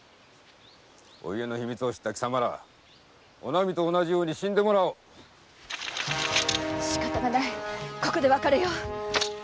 お家の秘密を知った貴様らお波と同じように死んでもらおうしかたないここで別れよう。